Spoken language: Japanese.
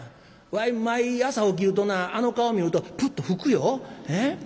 わい毎朝起きるとなあの顔見るとプッと吹くよ。